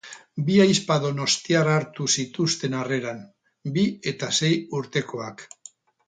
Bi ahizpa donostiar hartu zituzten harreran, bi eta sei urtekoak.